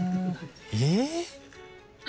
えっ？